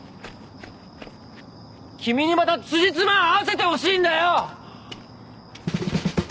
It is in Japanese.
君にまたつじつま合わせてほしいんだよ！